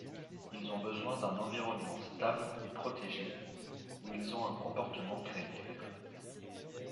Ils ont besoin d'un environnement stable et protégé où ils ont un comportement grégaire.